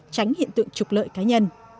tránh hiện tượng trục lợi cá nhân